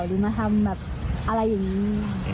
หรือมาทำแบบอะไรอย่างนี้